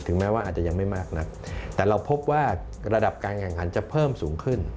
แม้ว่าอาจจะยังไม่มากนักแต่เราพบว่าระดับการแข่งขันจะเพิ่มสูงขึ้น